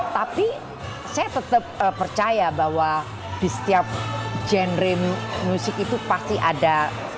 tapi saya tetap percaya bahwa di setiap genre musik itu pasti ada